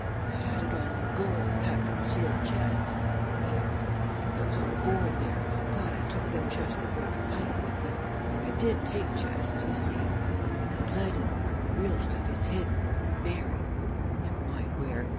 I had it all in gold, packed in sealed chests and they those on board there thought I took them chests aboard the Pike with me. I did take chests, d'ye see but they'd lead in 'em. The real stuff is hidden buried never mind where.